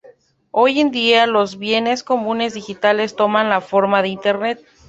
Hoy en día, los bienes comunes digitales toman la forma de Internet.